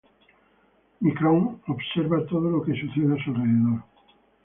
Michonne observa todo lo que sucede a su alrededor.